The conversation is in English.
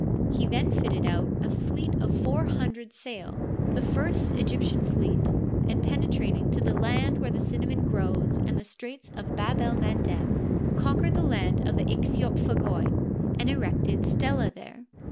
^) He then fitted out a fleet of four hundred sail, the first (!) Egyptian fleet, and, penetrating to the land where the cin namon grows and the Straits of Bab el Mandeb, con quered the land of the Ichthyophagoi, and erected stelae there.